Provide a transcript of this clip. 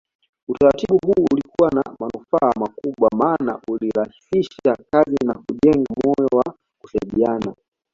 Utaratibu huu ulikuwa na manufaa makubwa maana ulirahisisha kazi na kujenga moyo wa kusaidiana